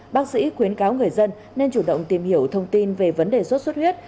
bác sĩ khuyến cáo người dân nên chủ động tìm hiểu thông tin về vấn đề sốt xuất huyết